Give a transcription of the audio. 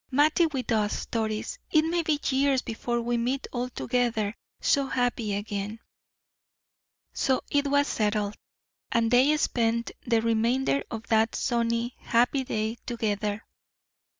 "Mattie with us, Doris; it may be years before we meet all together so happy again." So it was settled, and they spent the remainder of that sunny, happy day together.